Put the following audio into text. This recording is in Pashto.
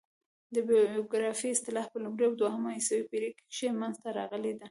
بیبلوګرافي اصطلاح په لومړۍ او دوهمه عیسوي پېړۍ کښي منځ ته راغلې ده.